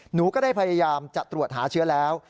หนูก็ได้พยายามจะตรวจหาเชื้อแล้ว